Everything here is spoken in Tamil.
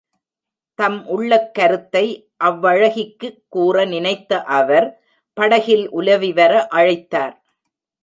தம் உள்ளக் கருத்தை அவ்வழகிக்குக் கூற நினைத்த அவர், படகில் உலவிவர அழைத்தார்.